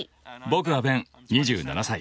僕はベン２７歳。